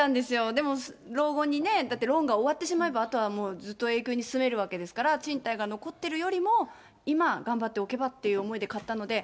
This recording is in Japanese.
でも老後にね、だってローンが終わってしまえば、あとはもうずっと永久に住めるわけですから、賃貸が残ってるよりも、今、頑張っておけばという思いで買ったので。